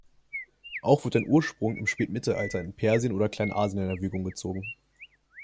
Auch wird ein Ursprung im Spätmittelalter in Persien oder Kleinasien in Erwägung gezogen.